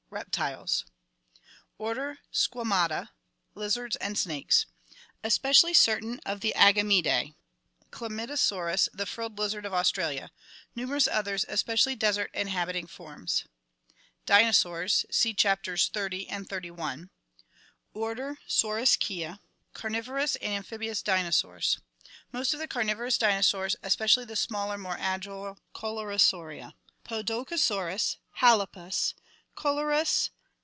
Reptiles Order Squama ta. Lizards and snakes. Especially certain of the Agamidae. Chlamydosaurus, the frilled lizard of Australia. Numerous others, especially desert inhabiting forms. Dinosaurs (see Chapters XXX and XXXI). Order Saurischia. Carnivorous and amphibious dinosaurs. Most of the carnivorous dinosaurs, especially the smaller, more agile Coelurosauria: Podokesaurus, H alto pus, Calurus.